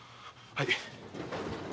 はい。